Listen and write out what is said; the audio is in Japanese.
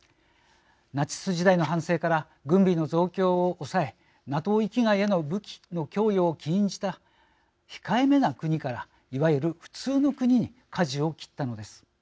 ナチス時代の反省から軍備の増強を抑えＮＡＴＯ域外への武器の供与を禁じた控えめな国からいわゆる普通の国にかじを切ったのです。